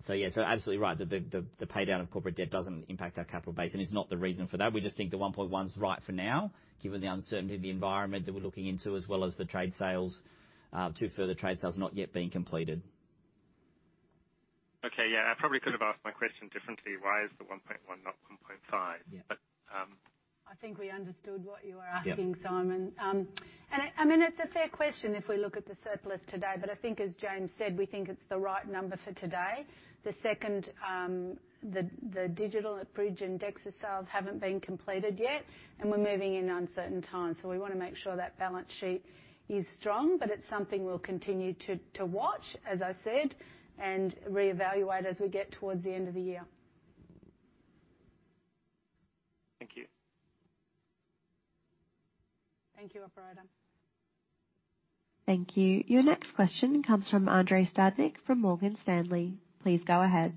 B: Yeah. Absolutely right. The paydown of corporate debt doesn't impact our capital base and is not the reason for that. We just think the 1.1 billion is right for now, given the uncertainty of the environment that we're looking into, as well as the trade sales, two further trade sales not yet being completed.
L: Okay. Yeah. I probably could have asked my question differently. Why is the 1.1 not 1.5?
B: Yeah.
L: But, um-
A: I think we understood what you were asking, Simon.
B: Yeah.
A: I mean, it's a fair question if we look at the surplus today, but I think as James said, we think it's the right number for today. The second, the DigitalBridge and Dexus sales haven't been completed yet, and we're moving in uncertain times. We wanna make sure that balance sheet is strong, but it's something we'll continue to watch, as I said, and reevaluate as we get towards the end of the year.
L: Thank you.
A: Thank you, operator.
C: Thank you. Your next question comes from Andrei Stadnik from Morgan Stanley. Please go ahead.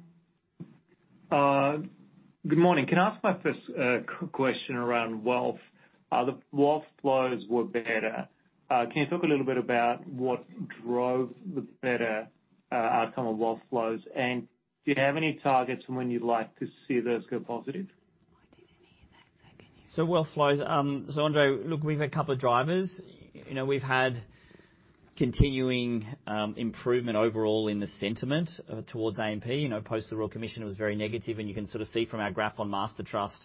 M: Good morning. Can I ask my first question around wealth? The wealth flows were better. Can you talk a little bit about what drove the better outcome of wealth flows? Do you have any targets for when you'd like to see those go positive?
A: I didn't hear that, so can you?
B: Wealth flows. Andrei, look, we've a couple of drivers. You know, we've had continuing improvement overall in the sentiment towards AMP. You know, post the Royal Commission was very negative, and you can sort of see from our graph on MasterTrust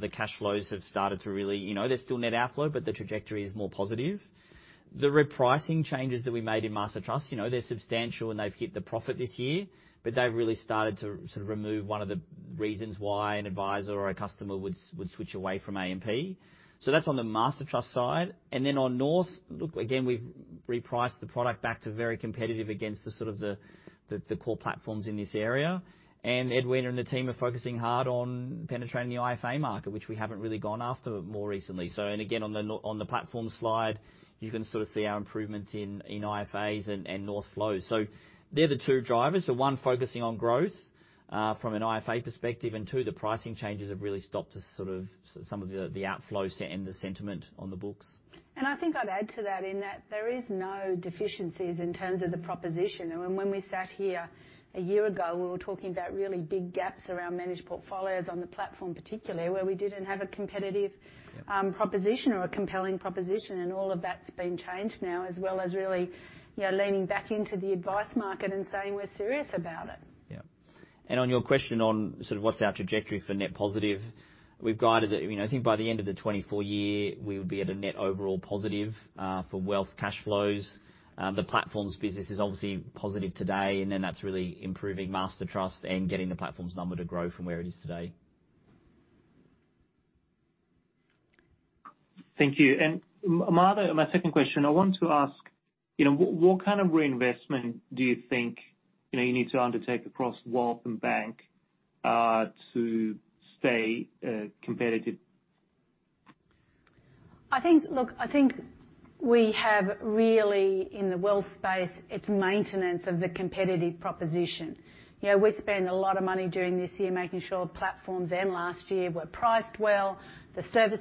B: the cash flows have started to really. You know, there's still net outflow, but the trajectory is more positive. The repricing changes that we made in MasterTrust, you know, they're substantial, and they've hit the profit this year, but they've really started to sort of remove one of the reasons why an advisor or a customer would switch away from AMP. That's on the MasterTrust side. Then on North, look, again, we've repriced the product back to very competitive against the sort of the core platforms in this area. Edwina and the team are focusing hard on penetrating the IFA market, which we haven't really gone after more recently. Again, on the platform slide, you can sort of see our improvements in IFAs and North flows. They're the two drivers. One, focusing on growth from an IFA perspective, and two, the pricing changes have really stopped some of the outflows and the sentiment on the books.
A: I think I'd add to that in that there is no deficiencies in terms of the proposition. When we sat here a year ago, we were talking about really big gaps around managed portfolios on the platform, particularly where we didn't have a competitive-
B: Yeah.
A: a compelling proposition, and all of that's been changed now, as well as really, you know, leaning back into the advice market and saying we're serious about it.
B: Yeah. On your question on sort of what's our trajectory for net positive, we've guided that, you know, I think by the end of the 2024 year, we would be at a net overall positive, for wealth cash flows. The Platforms business is obviously positive today, and then that's really improving MasterTrust and getting the Platforms number to grow from where it is today.
M: Thank you. My second question, I want to ask, you know, what kind of reinvestment do you think, you know, you need to undertake across wealth and bank to stay competitive?
A: Look, I think we have really, in the wealth space, it's maintenance of the competitive proposition. You know, we spent a lot of money during this year making sure platforms then last year were priced well, the service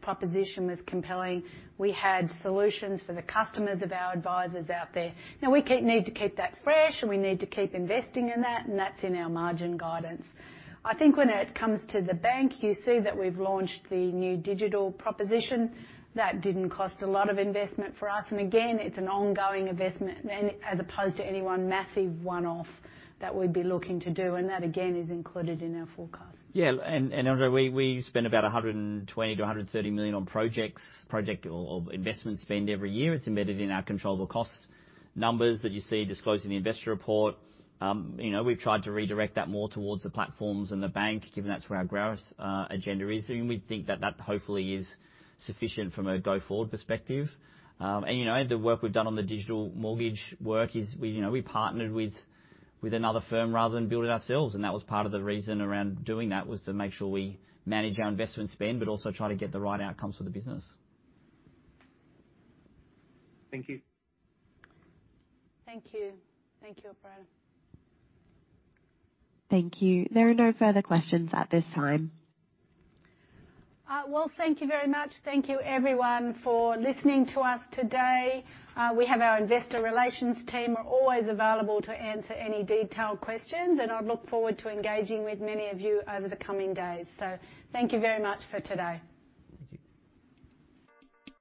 A: proposition was compelling. We had solutions for the customers of our advisors out there. Now, we need to keep that fresh, and we need to keep investing in that, and that's in our margin guidance. I think when it comes to the bank, you see that we've launched the new digital proposition. That didn't cost a lot of investment for us. Again, it's an ongoing investment then, as opposed to any one massive one-off that we'd be looking to do, and that again, is included in our forecast.
B: Andrei, we spend about 120 million-130 million on projects or investment spend every year. It's embedded in our controllable cost numbers that you see disclosed in the investor report. You know, we've tried to redirect that more towards the platforms and the bank, given that's where our growth agenda is. We think that hopefully is sufficient from a go-forward perspective. You know, the work we've done on the digital mortgage work is we, you know, we partnered with another firm rather than build it ourselves. That was part of the reason around doing that was to make sure we manage our investment spend, but also try to get the right outcomes for the business.
M: Thank you.
A: Thank you. Thank you, operator.
C: Thank you. There are no further questions at this time.
A: Well, thank you very much. Thank you everyone for listening to us today. We have our investor relations team are always available to answer any detailed questions, and I look forward to engaging with many of you over the coming days. Thank you very much for today.
B: Thank you.